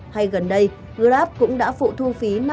hay gần đây grab cũng đã phụ thu phí